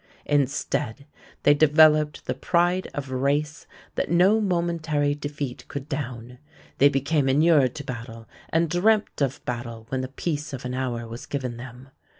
Instead, they developed the pride of race that no momentary defeat could down. They became inured to battle and dreamt of battle when the peace of an hour was given them.